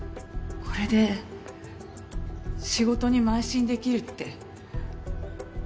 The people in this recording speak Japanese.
これで仕事に邁進できるって。